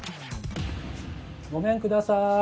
ごめんください。